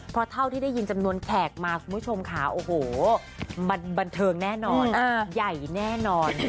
เพราะเท่าที่ได้ยินจำนวนแขกมาคุณผู้ชมค่ะโอ้โหมันบันเทิงแน่นอนใหญ่แน่นอน